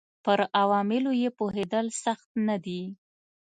پر عواملو یې پوهېدل سخت نه دي.